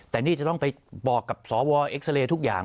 แต่นี่จะต้องไปบอกกับสวเอ็กซาเรย์ทุกอย่าง